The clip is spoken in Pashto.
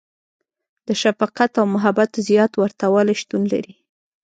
• د شفقت او محبت زیات ورتهوالی شتون لري.